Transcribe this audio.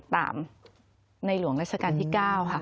ในหลวงราชการที่๙ค่ะ